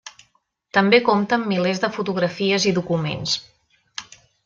També compta amb milers de fotografies i documents.